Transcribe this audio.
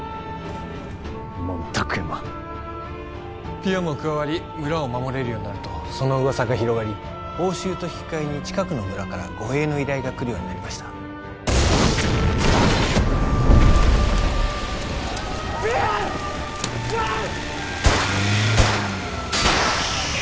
ピヨも加わり村を守れるようになるとその噂が広がり報酬と引き換えに近くの村から護衛の依頼が来るようになりましたううっ